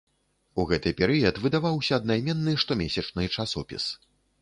У гэты перыяд выдаваўся аднайменны штомесячны часопіс.